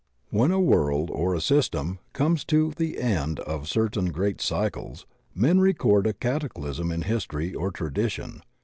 When a world or a system comes to the end of cer tain great cycles men record a cataclysm in history or tradition.